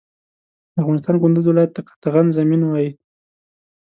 د افغانستان کندوز ولایت ته قطغن زمین وایی